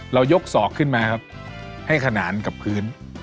เรายกสอกขึ้นมาให้ขนาดกับพื้น